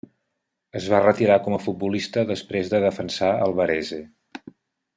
Es va retirar com a futbolista després de defensar el Varese.